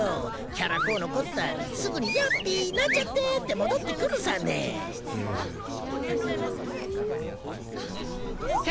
キャラ公のこったすぐに「ヤッピーなんちゃって」って戻ってくるさね。は。